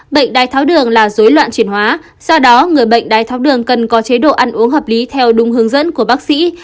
bệnh đai tháo đường là dối loạn chuyển hóa do đó người bệnh đai tháo đường cần có chế độ ăn uống hợp lý theo đúng hướng dẫn của bác sĩ